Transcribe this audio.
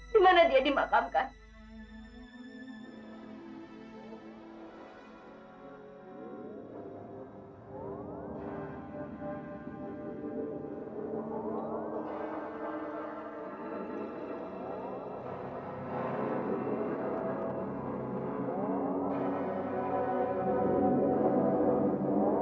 dimana dia dimakamkan